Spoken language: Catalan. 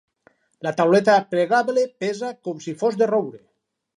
La tauleta plegable pesa com si fos de roure.